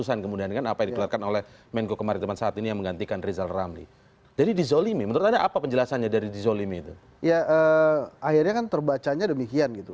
akhirnya kan terbacanya demikian gitu